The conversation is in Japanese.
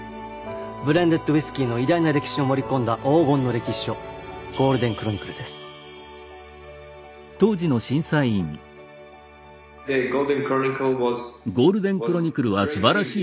ブレンデッドウイスキーの偉大な歴史を盛り込んだ黄金の歴史書ゴールデンクロニクルです。